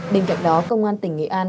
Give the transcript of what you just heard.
bên cạnh đó công an tỉnh nghệ an